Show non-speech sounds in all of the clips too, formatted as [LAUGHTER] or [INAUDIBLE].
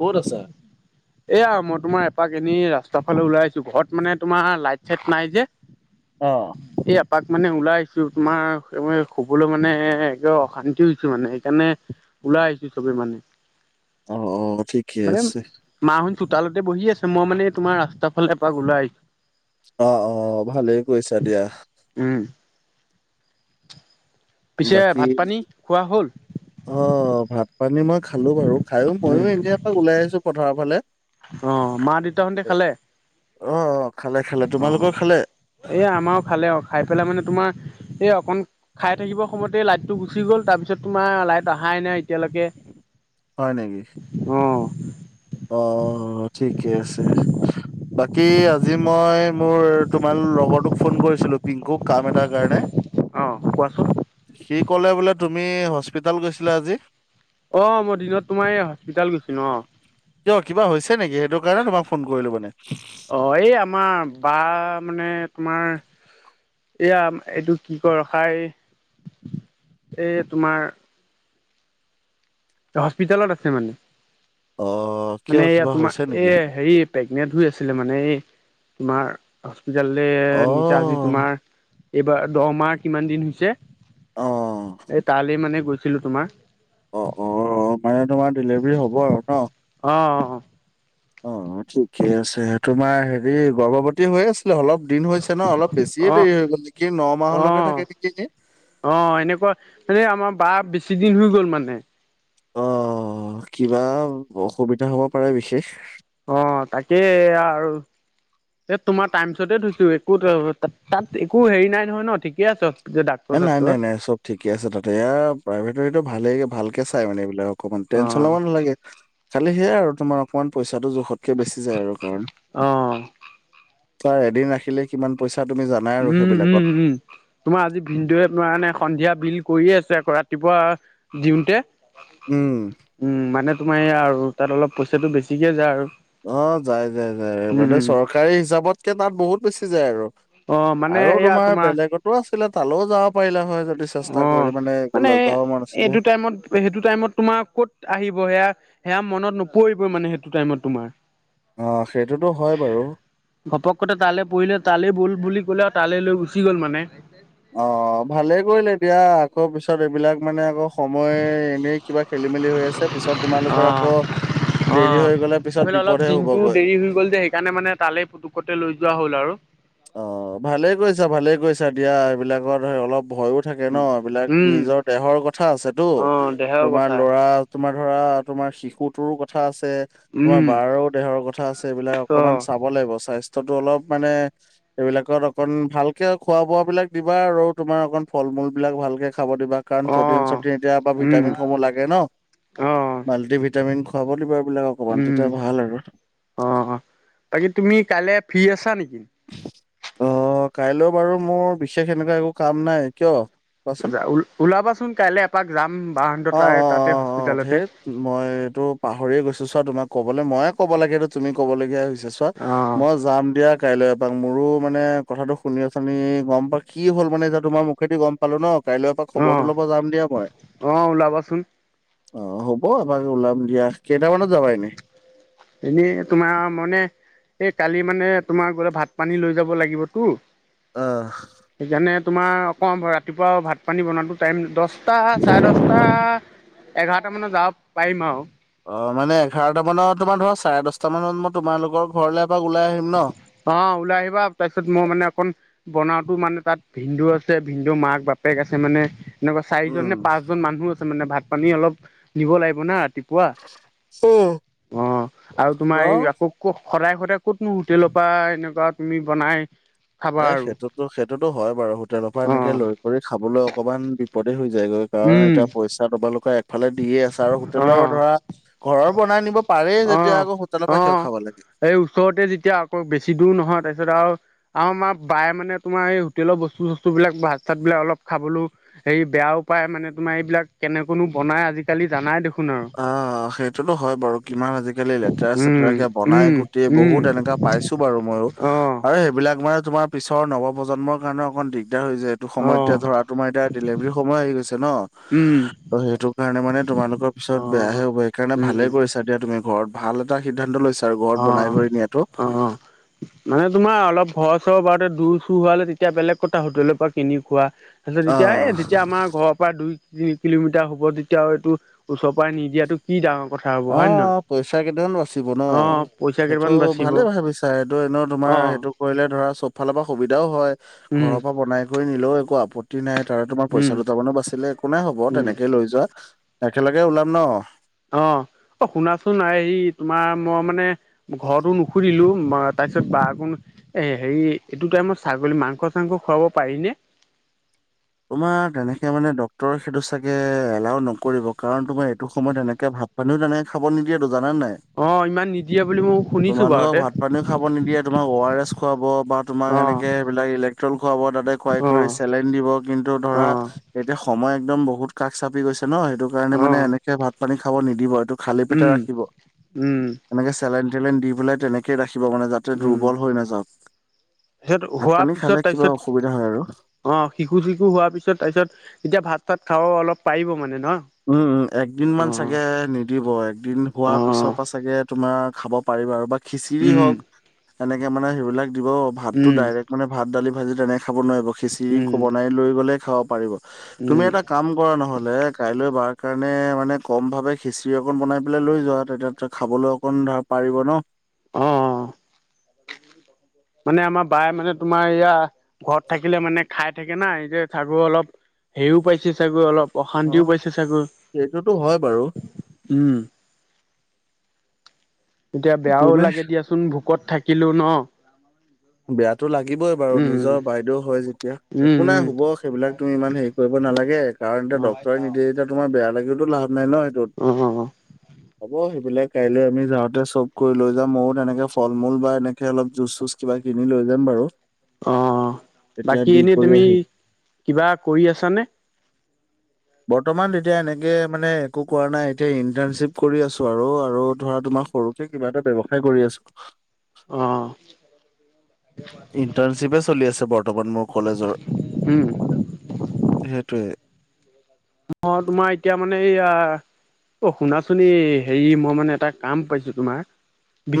ক'ত আছা? এয়া মই তোমাৰ এপাক এনেই ৰাস্তাৰ ফালে ওলাই আছো ঘৰত মানে তোমাৰ লাইট চাইট নাই যে। অহ এই এপাক মানে ওলাই আহিছো তোমাৰ শুবলে মানে একে অশান্তি হৈছে মানে সেইকাৰণে। ওলাই আহিছো চবে মানে অ অ ঠিকেই আছে। মা হত চোতালতে বহি আছে মই মানে তোৰ ৰাস্তাৰ ফালে এপাক ওলাই আহিছো অ অ ভালেই কৈইছা দিয়া উম পিছে বাকী ভাত পানী খোৱা হ'ল অ ভাত-পানী মই খালো বাৰু। খাইও ময়ো এনেই এপাক ওলাই আহিছো পথাৰৰ ফালে। অ, মা-দেউতাহঁতে খালে? অ অ খালে খালে অ তোমালোকৰ খালে অ এ আমাৰ ফালে অ খাই ধৰি ল মানে তোমাৰ এই অকণ খাই থাকিব সময়তে লাইট টো গুচি গ'ল তাৰপিছত তোমাৰ লাইট অহাই নাই এতিয়ালৈকে হয় নেকি অ অ অ ঠিকে আছে বাকী আজি মই মোৰ তোমাৰ লগটোক ফোন কৰি কৰিছিল পিংকুক কাম এটাৰ কাৰণে অ কোৱাচোন সি কলে বোলে তুমি হস্পিতাল গৈছিলা আজি অ মই দিনত তোমাৰ এই হস্পিতাল গৈছিলো অ কিয় কিবা হৈছে নেকি সেইটো কাৰণে তোমাক ফোন কৰিলো মানে। অ এই আমাৰ বা মানে তোমাৰ এয়া এইটো কি ক ৰখাই এ তোমাৰ হস্পিতেলত আছে মানে অ', কিয় মানে এয়া কিবা তোমাৰ হৈছে এ নেকি হেৰি পে এনে ধুই আছিলে মানে এই তোমাৰ হস্পিতাললে নিচে আজি অ', তোমাৰ এইবাৰ দহমাহ কিমান দিন হৈছে অ'। এ তালে মানে গৈছিলো তোমাৰ অ অ মানে তোমাৰ ডেলিভাৰী হ'ব আৰু ন অ অ অ অ ঠিকে আছে তোমাৰ হেৰি গৰ্ভৱতী হৈ আছে। অলপ দিন হৈছে ন অলপ বেছিয়ে অ দেৰিয়ে হৈ গ'ল নে কি ন অ অ মাহলৈকে থাকে নিকি এনে অ এনেকুৱা মানে আমাৰ বা বেছি দিন হৈ গ'ল মানে। অ কিবা অসুবিধা হ'ব পাৰে বিশেষ। অ, তাকেই এইয়া আৰু এ তোমাৰ টাইমচতে থৈছো। একো তাত একো হেৰি নাই নহয় ন? ঠিকে আছে। যে ডাক্তৰ এ নাই, চাক্তৰ নাই, নাই। চব ঠিকে আছে তাতে। এয়া প্ৰাইভেটৰ এইটো ভালে, ভালকে চাই মানে এইবিলাকক। অকমান অ টেনচন ল'ব নালাগে। খালি সেয়াই আৰু তোমাৰ অকণমান পইচ পইচাটো জোখতকে বেছি যায় আৰু কাৰণ এদিন ৰাখিলেই কিমান পইচ উম, উম, উম। তোমাৰ আজি ভিনদেউৱে নুৱা না সন্ধিয়া বিল কৰিয়ে আছে, আকৌ ৰাতিপুৱা দিওঁতে উম। উম মানে তোমাৰ এইয়া আৰু তাত অলপ পইচাটো বেছিকৈ যায় আৰু। অ যায়, যায়, যায়। মানে উম চৰকাৰী হিচাপতকে তাত বহুত বেছি যায় আৰু। অ মানে আৰু এয়া তোমাৰ বেলেগটো আছ তালৈও যাব পাৰিলা হয় যদি অ চেষ্টা কৰিলে মানে গলা যাব মন আছিলে। এইটো টাইমত সেইটো টাইমত তোমাৰ ক'ত আহিব হেয়া, হেয়া মনত নপৰিবই মানে সেইটো টাইমত তোমাৰ। অ সেইটোতো হয় বাৰু ঘপক কতে তালে পৰিলে, তালেই বল বুলি গ'লে আৰু তালে লৈ গুচি গ'ল মানে। অ, ভালেই কৰিলে দিয়া। আকৌ পিছত এইবিলাক মানে আকৌ সময় এনেই কিবা খেলি-মেলি হৈ আছে। পিছত তোমালোকৰ অ', আকৌ অ, দেৰি হৈ গ'লে পিছত ভাবিলো অলপ বিপদহে দিনটো হ'বগৈ দেৰি হৈ গ'ল যে, সেইকাৰণে মানে তালেই পুতুকতে লৈ যোৱা হ'ল আৰু। অ, ভালে কৰিছা ভালে কৰিছা দিয়া। এইবিলাকত [UNINTELLIGIBLE] অলপ ভয়ো থাকে ন এইবিলাক। উম, নিজৰ দেহৰ কথা আছেটো। অ', দেহাও তোমাৰ কথা ল'ৰা তোমাৰ ধৰা তোমাৰ শিশুটোৰো কথা আছে। [UNINTELLIGIBLE] তোমাৰ উম, বাৰো দেহৰ কথা আছে। এইবিলাক অকমান অ', চাব লাগিব। স্বাস্থ্যটো অলপ মানে এইবিলাকত অকন ভালকে খোৱা-বোৱা বিলাক দিবা আৰু তোমাৰ অকন ফল-মূল বিলাক ভালকে খাব দিবা কাৰণ প্ৰটিন অ'। চটিন এতিয়া পা উম, ভিটামিন সমূহ লাগে ন। অ', মাল্টি ভিটামিন খাব দিবা এইবো উম অ অ বাকী তুমি কাইলৈ ফি আছা নি? কি অ কাইলৈ বাৰু মোৰ বিশেষ এনেকুৱা একো কাম নাই। কিয়? কোৱাচোন ও ওলাবাচোন কাইলৈ এপাক যাম অ', বাহঁতৰ তাৰে তাতে হস্পিতালতে। হেইটো পাহৰিয়ে গৈছোঁ চোৱা তোমাক ক'বলে মই। ক'ব লাগেটো তুমি ক'বলগীয়া হৈছে চোৱা। অ', মই যাম দিয়া কাইলে পা মোৰো মানে কথাটো শুনি শুনি গম পা কি হ'ল মানে এতিয়া তোমাৰ মুখেদি গম পালো ন। কাইলৈ এপাক খবৰটো অ', ল'ব যাম দিয়া মই। অ', ওলাবাচোন অ, হ'ব এপাক ওলাম দিয়া। কেইটামানত যাবা এনেই? এনেই তোমাৰ মনে এই কালি মানে তোমাৰ গ'লে ভাত পানী লৈ যাব লাগিব টো। আহ। সেইকাৰণে তোমাৰ কম হয় ৰাতিপুৱা ভাত-পানী বনাটো টাইম দছটা, চাৰে দছটা এঘাৰটা মানত যাব পাৰিম আৰু। অ, মানে এঘাৰটা মানত তোমাৰ ধৰা চাৰে দছটা মানত মই তোমালোকৰ ঘৰলে বাও অ, ওলাই আহিবা। তাৰপিছত মই মানে অকণ বনাওটো মানে তাত ভিনদেউ আছে, ভিনদেউৰ মাক-বাপেক আছে মানে। এনেকুৱা চাৰিজন উম। নে পাঁচজন মানুহ আছে মানে। ভাত-পানী অলপ নিব লাগিব না। কোৱা। অ', অ আৰু তোমাৰ এই অ'। আকৌ ক'ত সদায় সদায় ক'ত [UNINTELLIGIBLE] হোটেলৰ পৰা এনেকুৱা তুমি বনাই খাবা এ আৰু সেইটোতো, সেইটোতো হয় বাৰু। হোটেলৰ পৰা অ এনেকে লৈ কৰি খাবলৈ অকমান বিপদে হৈ যা যায় গৈ কাৰণ উম এতিয়া পইচা তোমালোকৰ একফালে দিয়ে আছা আৰু হোটেলৰ অ ধৰা ঘৰৰ বনাই নিব পাৰেই যেতিয়া অ', আকৌ হোটেলৰ পৰা কিয় অ', খাব লাগে? এই ওচৰতে যেতিয়া আকৌ বেছি দূৰ নহয়। তাৰপিছত আৰু আৰু আমাৰ বায়ে মানে তোমাৰ এই হোটেলৰ বস্তু-চস্তু বিলাক ভাত-চাত বিলাক অলপ খাবলৈও হেৰি বেয়াও উপায় মানে তোমাৰ এইবিলাক কেনে কোনো বনাই আজিকালি জানাই দেখ- অ সেইট- সেইটো টো হয় বাৰু কিমান আজিকালি লেতেৰা চেতেৰা উম, কে বনাই উম। গুটেই উম, বহুত এনেকা পাইছো বাৰু মইয়ো। অ', আৰু সেইবিলাক মানে তোমাৰ পিছৰ নৱ প্ৰজন্মৰ কাৰণে অকণ দিগ- দাৰ হৈ যায় এইটো সময় এতিয়া অ', ধৰা তোমাৰ এতিয়া ডেলিভাৰী সময় আহি গৈছে ন। উম, ত' সেইটো কাৰণে মানে তোমালোকৰ পিছত বেয়াহে অ', হ'ব সেইকাৰণে ভালে উম, কৰিছা তুমি ঘৰত ভাল এটা সিদ্ধান্ত লৈছ- অ অ মানে তোমাৰ অলপ ঘৰ চৰ বাৰতে দূৰ চূ হোৱালে তেতিয়া বেলেগ কটা হোটেলৰ পৰা কিনি খোৱা। এতিয়া এই আহ যেতিয়া আমাৰ ঘৰৰ পৰা দুই তিনি কিলোমিটাৰ হ'ব তেতিয়া এইটো ওচৰ পৰা নিদিয়াটো কি ডাঙৰ কথা হ'ব অ হয় নে নহয়? অ পইচা কেইটামানো বাচিব ন। অ পইচা সেইটো কেইটামান বাচিব ভালে ভাবিছা এইটো এনেও তোমাৰ অ' সেইটো কৰিলে ধৰা চব ফালৰ পৰা সুবিধাও হয়। উম, ঘৰৰ পৰা বনাই কৰি নিলেও একো আপত্তি নাই। তাৰে তোমাৰ পইচা উম, দুটামানো বাচছিলে একো নাই হ'ব উম। তেনেকেই লৈ যোৱা একেলগে ওলাম ন। অ অ শুনাচোন আয়ি তোমাৰ মই মানে ঘৰটো নুশুধিলো। তাৰপিছত বা আকোম এ হেৰি এইটো টাইমত ছাগলী মাংস চাংস খুৱাব পাৰি নে? [INAUDIBLE] তোমাৰ তেনেকে মানে ড্ক্তৰ সেইটো চাগে এলাও নকৰিব কাৰণ তোমাৰ এইটো সময়ত এনেকে ভাল ভাত পানীও তেনে খাব নিদিয়েটো। জানা নাই অ' ইমান নিদিয়ে বুলি মই শুনিছো তোমালোকক বাৰুতে ভাত পানীও খাব নিদিয়ে তোমাৰ ঔ আৰ এচ খুৱাব বা তোমাক অ', এনেকৈ সেইবিলাক ইলেক্ট্ৰল খুৱাব তাতে খুৱাই কৰি অ', চেলেন দিব। টো ধৰা অ', এতিয়া সময় একদম বহুত কাষ চাপি গৈছে ন সেইটো কাৰণে মানে অ'। এনেকে ভাত পানী খাব নিদিব এইটো খালি পেটে উম ৰাখিব উম এনেকে চেলাইন টেলাইন দি পেলাই তেনেকে ৰাখি- মানে যাতে দুৰ্বল হৈ নাযাওঁক। সেত তাৰপিছত হোৱাৰ পিছত হয় আৰু তাৰপিছত অ শি- সু চিকু হোৱাৰ পিছত তাৰ পিছত ভাত চাত খাব অলপ পাৰিব মানে। ন উম, উম একদিন অ মান চাগে নিদিব। একদিন অ হোৱাৰ পিছৰ পৰা চাগে তোমাৰ খাব পাৰিবা আৰু বা খিচিৰি উম হওক এনেকে মানে সেইবিলাক দিব ভাতটো উম ডাইৰেক্ট মানে ভাত দালি ভাজি তেনেকৈ খাব নোৱাৰিব খিচিৰি উম বনাই লৈ গ'লেই খাব পাৰিব। তুমি উম এটা কাম কৰা নহলে তাৰ কাৰণে মানে কম ভাৱে খিচিৰি অকণ বনাই পেলাই লৈ যোৱা তেতিয়া তা খাবলৈ অকন ধৰা পাৰিব ন। অ অ। মানে আমাৰ বাইে মানে তোমাৰ এয়া ঘৰত থাকিলে মানে খাই থাকে না এই যে চাগুৰ অলপ হেৰিও পাইছে চাগৈ অলপ। অ অশান্তিও পাইছে চাগৈ, সেইটোতো হয় বাৰু উম। এতিয়া একো বেয়াও নাই লাগে দিয়াচোন ভোকত থাকিলো ন। বেয়া টো লাগিবই বাৰু উম নিজৰ বাইদেউ হয় যেতিয়া একো উম নাই উম হব সেইবিলাক তুমি ইমান হেৰি কৰিব নালাগে। কাৰণ এতিয়া উম ডাক্তৰে নিদিয়ে এতিয়া তোমাৰ বেয়া লাগিলেও লাভ নাই ন। সেইটোত অ অ হ'ব সেইবিলাক কাইলৈ আমি যাওঁতে চব কৰি লৈ যাম ময়ো তেনেকে ফল মূল বা এনেকে অলপ জুচ চুচ কিবা কিনি লৈ যাম বাৰু। অ তেতিয়া বাকী দি এনেই কৰি তুমি আহিম কিবা কৰি আছা নে? বৰ্তমান তেতিয়া এনেকে মানে একো কৰা নাই এতিয়া ইন্টাৰ্ণশ্বিপ কৰি আছো আৰু আৰু ধৰা তোমা- আহ সৰুকে কিবা এটা ব্যৱসায় কৰি আছ- অহ ইণ্টাৰ্ণশ্বিপে চলি আছে বৰ্তমান মোৰ কলেজৰ উম, সেইটোৱে মই তোমাৰ এতিয়া মানে এইয়া অ শুনাচোন এই হেৰি মই মানে এটা কাম পাইছো তোমাৰ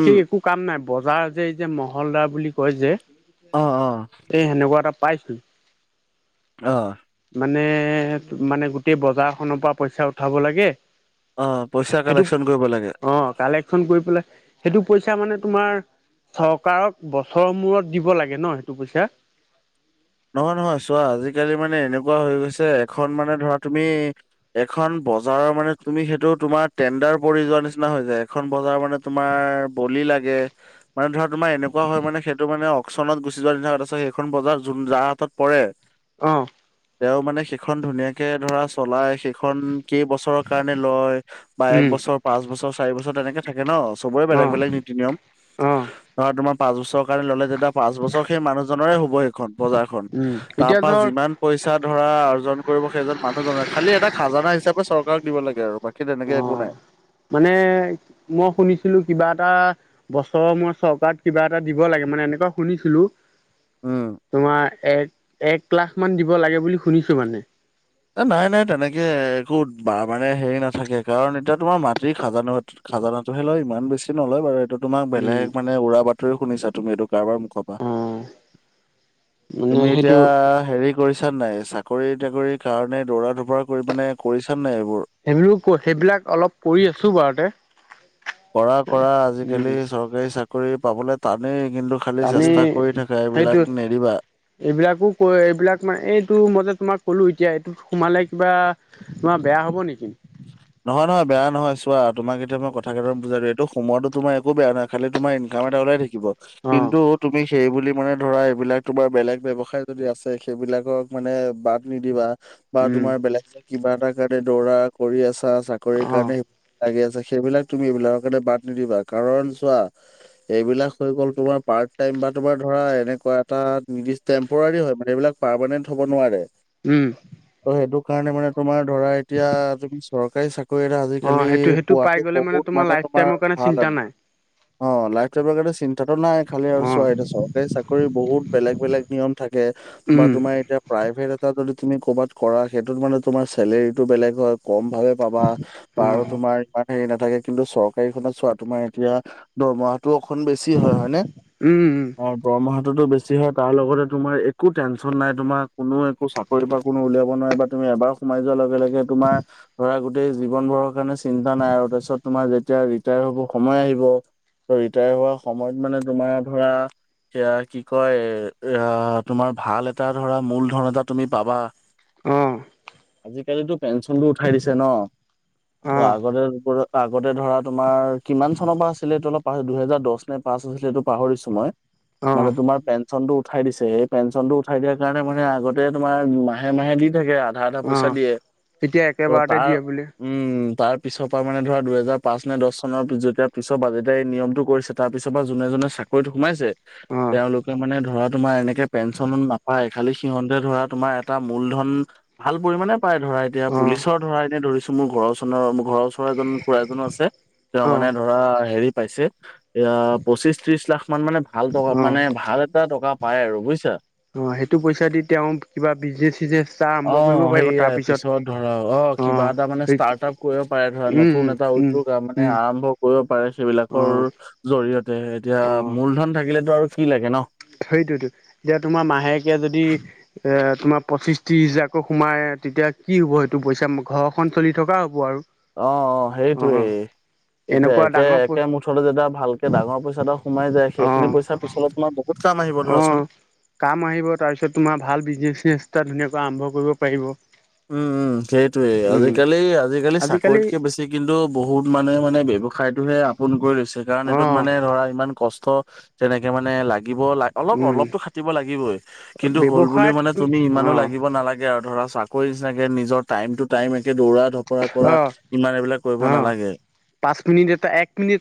উম একো কাম নাই বজাৰ যে এই যে মহলদাৰ বুলি কয় যে অ অ এ সেনেকুৱা এটা পাইছিলো। অ মানে এ হে মানে গোটেই বজাৰখনৰ পৰা পইচা উঠাব লাগে। অ পইচা সেইটো, কালেকচন কৰিব লাগে অ কালেকচন কৰি পেলাই সেইটো পইচা মানে তোমাৰ চৰকাৰক বছৰৰ মূৰত দিব লাগে ন সেইটো পইচা? নহয়, নহয় চোৱা আজি-কালি মানে এনেকুৱা হৈ গৈছে এখন মানে ধৰা তুমি এখন বজাৰৰ মানে তুমি সেইটো তোমাৰ টেণ্ডাৰ পৰি যোৱা নিচিনা হৈ যায়। এখন বজাৰ মানে তোমাৰ বলি লাগে মানে ধৰা তোমাৰ এনেকুৱা হয় মানে সেইটো মানে অকচনত গুচি যোৱা নিচিনা সেইখন বজাৰ [UNINTELLIGIBLE] যাৰ হাতত পৰে অ', তেওঁ মানে সিখন ধুনীয়াকে ধৰা চলাই সেইখন কেইবছৰৰ কাৰণে লয় বা এক উম, বছৰ, পাঁচ বছৰ, চাৰি বছৰ ত তেনেকে থাকে ন। চবৰে বেলেগ অ', বেলেগ নীতি-নিয়ম। অ', ধৰা তোমাৰ পাঁচ বছৰ কাৰণে ল'লে যেতিয়া পাঁচবছৰ সেই মানুহজনেৰে হ'ব সেইখন। বজাৰখন, উম, তাৰ এতিয়া পৰা ধৰ যিমান পইচা ধৰা অৰ্জন কৰিব সেইজন মানুহজনৰ। খালি এটা খাজানা হিচাপ চৰকাৰক দিব লাগে আৰু। বাকী তেনেকে অ, একো নাই। মানে মই শুনিছিলো কিবা এটা বছৰৰ মূৰত চৰকাৰক কিবা এটা দিব লাগে মানে এনেকুৱা শুনিছিলো। উম, তোমাৰ এক, এক লাখ মান দিব লাগে বুলি শুনিছো মানে। এ নাই, নাই। তেনেকে একো মানে হেৰি নাথাকে। কাৰণ এতিয়া তোমাৰ মাটিৰ খাজানা খাজানাটোহে লয়, ইমান বেছি নলয় বাৰু। এইটো তোমাক উম বেলেগ মানে উৰা বাতৰি শুনিছাঁ তুমি এইটো। কাৰোবাৰ মুখ পা, অঁ মানে তুমি এতিয়া সেইটো হেৰি কৰি শুনিছা নে নাই? চাকৰি-তাকৰি কাৰণে দৌৰা ধপৰা কৰি মানে কৰিছা নাই এইবোৰ? সেইবোৰো কৈ সেইবিলাক অলপ কৰি আছো বাৰুতে। কৰা, কৰা। উম আজি-কালি চৰকাৰী চাকৰি পাবলে টানেই। টো খালি আমি চেষ্টা কৰি থাকা, সেইটো এইবিলাক নেৰিবা। এইবিলাকো কই এইবিলাক মানে এইটো মতে তোমাক ক'লো এতিয়াই সোমালে কিবা, তোমাৰ বেয়া হ'ব নেকি? [UNINTELLIGIBLE] নহয় নহয় বেয়া নহয় চোৱা তোমাক এতিয়া মই এতিয়া মই কথা কেইটামান বুজায় যদিও এইটো সোমোৱাটো একো বেয়া নহয় খালি তোমাৰ ইনকাম এটা ওলাই থাকি দিব অঁ কিন্তু তুমি সেইবুলি মানে ধৰা এইবিলাক তোমাৰ বেলেগ ব্যৱসায় যদি আছে সেইবিলাকক মানে বাদ নিদিবা। বা উম তোমাৰ বেলেগ কিবা এটা কাৰণে দৌৰা কৰি আছা, চাকৰি অঁ কাৰণে সেইবিলাক লাগি আছা সেইবিলাক তুমি সেইবিলাকৰ কাৰণে বাদ নিদিবা। কাৰণ চোৱা এইবিলাক হৈ গ'ল তোমাৰ পাৰ্ট টাইম বা তোমাৰ ধৰা এনেকুৱা এটা নিৰ্দিষ্ট টেম্পৰাৰী হয় মানে। এইবিলাক পাৰমানেন্ট হ'ব নোৱাৰে। উম। ত' সেইটো কাৰণে মানে তোমাৰ ধৰা এতিয়া তুমি চৰকাৰী চাক কৈয়ে ন অঁ আজি-কালি সেইটো সেইটো পাই পোৱাটো গ'লে বহুত মানে লাইফ তোমাৰ টাইমৰ কাৰণে ভাল চিন্তা আৰু। নাই অ লাইফ টাইমৰ কাৰণে চিন্তাটো নাই। খালি আৰু অঁ চোৱা চৰকাৰী চাকৰি বহুত বেলেগ-বেলেগ নিয়ম। থাকে বা উম তোমাৰ এতিয়া প্ৰাইভেট এটাটো [UNINTELLIGIBLE] তুমি কবাত কৰা সেইটোত মানে তোমাৰ চেলেৰিটো বেলেগ হয়। কম ভাৱে পাবা, অ', বাৰু উম, তোমাৰ ইমান হেৰি নাথাকে। কিন্তু চৰকাৰীখনত চোৱা, তোমাৰ এতিয়া দৰমহাটো অকন বেছি হয়, হয়নে? উম, অ দৰমহা তোটো বেছি হয়। তাৰ লগতে তোমাৰ একো টেনচন নাই। তোমাৰ কোনো একো চাকৰিৰ পৰা কোনো উলিয়াব নোৱাৰে বা তুমি এবাৰ সোমাই যোৱাৰ লগে লগে তোমাৰ ধৰা গোটেই জীৱন ভৰৰ কাৰণে চিন্তা নাই আৰু তাৰপিছত তোমাৰ যেতিয়া ৰিটায়াৰ হ'ব সময় আহিব। ত ৰিটায়াৰ হোৱা সময়ত মানে তোমাৰ ধৰা এয়া কি কয় এ তোমাৰ ভাল এটা ধৰা মূল ধন‌ এটা তুমি পাবা। অ। আজি-কালিটো পেঞ্চনটো উঠাই দিছে ন? ত অ', আগতে [UNINTELLIGIBLE] আগতে ধৰা তোমাৰ কিমান চনৰ পৰা আছিলে এইটো অলপ পাহৰিলো। দুহেজাৰ দছ নে পাঁছ হৈছিলে এইটো পাহৰিছো মই। মানে অ', তোমাৰ পেঞ্চনটো উঠাই দিছে সেই পেঞ্চনটো উঠাই দিয়াৰ কাৰণে মানে আগতে তোমাৰ মাহে মাহে দি থাকে ইয়াত। [UNINTELLIGIBLE] পইচা অ', দিয়ে। এতিয়া একেবাৰতে তাৰ দিয়ে বোলে। উম, তাৰ পিছৰ পৰা মানে ধৰা দুহেজাৰ পাঁচ নে দশ চনৰ যেতিয়া পিছৰ বাজেটে এই নিয়মটো কৰিছে তাৰ পিছৰ পৰা যোন যোনে যোনে চাকৰিত সোমাইছে, অ', তেওঁলোকে মানে ধৰা তোমাৰ এনেকে পেঞ্চন নাপায়। খালি সিহঁতে ধৰা তোমাৰ এটা মূল ধন, ভাল পৰিমানে পাই ধৰা এতিয়া অ', পুলিচৰ ধৰা, এতিয়া ধৰিছো মোৰ ঘৰৰ চনৰ মোৰ ঘৰৰ ওচৰ এজন খুৰা এজনো আছে, তেওঁ মানে অ', ধৰা হেৰি পাইছে, এয়া পঁচিশ ত্ৰিশ লাখ মান মানে ভাল টকা মানে অ', ভাল এটা টকা পাই আৰু বুজিছা। অ', সেইটো পইচা দি তেওঁ, কিবা বিজনেচ চিগনেছ চাহ অ আৰম্ভ কৰিব পাৰিব সেইয়াই তাৰ পিছত। ধৰা অ, কিবা এটা মানে ষ্টাৰ্টআপ কৰিব পাৰে ধৰা, উম, উম, নতুন এটা উম, উদ্যোগ আৰু মানে উম, আৰম্ভ কৰি পাৰে সেইবিলাকৰ, অ', জৰিয়তে এতিয়া মূলধন থাকিলেটো আৰু কি লাগে ন? সেইতোটো, এতিয়া তোমাৰ মাহেকীয়া যদি, এ তোমাৰ পঁচিশ ত্ৰিশ হাজাৰকো সোমাই। এ তেতিয়া কি হ'ব সেইটো পইচা ঘৰখন চলি থকা হ'ব আৰু। অ', অ, সেইটোৱে। অ', এতিয়া এনেকুৱা ডাঙৰ পই একে-একে মুঠতে যেতিয়া ভালকে ডাঙৰ পইচা এটা সোমাই যায় অ', সেইখিনি পইচাৰ পিছলে তোমাৰ বহুত কাম আহিব ধৰাচোন। অ', কাম আহিব তাৰপিছত তোমাৰ ভাল বিজনেচ চিগিনেছ এটা ধুনীয়া [UNINTELLIGIBLE] আৰম্ভ কৰিব পাৰিব। উম, উম, সেইটোৱে উম, আজিকালি-আজিকালি আজিকালি চাকৰিতকে বেছি কিন্তু বহুত মানে মানে ব্যৱসায়টোহে আপোন কৰি লৈছে কাৰণ এইটোত অ', মানে ধৰা ইমান কষ্ট, যেনেকে মানে লাগ দিব লাগে অলপ উম, অলপতো খাতিব লাগিবই, কিন্তু হল বুলি ব্যৱসায়ত মানে তুমি ইমানো অ', লাগিব নালাগে আৰু ধৰা চা কৰি চাগে নিজৰ টাইম টু টাইম একে দৌৰা ধ কৰা কৰা, অ', ইমান এইবিলাক কৰিব অ', নালাগে। পাঁচ মিনিট এটা এক মিনিট